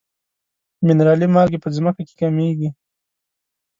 منرالي مالګې په ځمکه کې کمیږي.